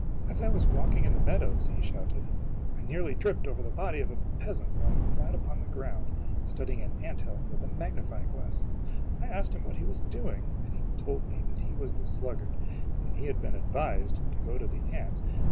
"As I was walking in the mea dows," he shouted, "I nearly tripped over the body of a peasant lying flat upon the ground, studying an ant hill with a magnifying glass. I asked him what he was doing, and he told me that he was The and that he had been advised to go to the ants and His dancine THE SLUGGARD, CONSIDERING.